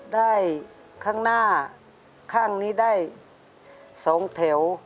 ข้างหน้าข้างนี้ได้๒แถว